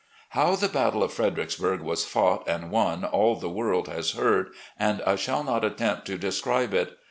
How the battle of Fredericksburg was fought and won all the world has heard, and I shall not attempt to describe it.